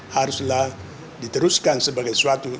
haruslah diteruskan sebagai suatu